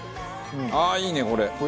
ああいいね！